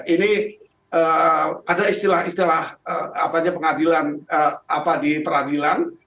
ini ada istilah istilah apa aja di pengadilan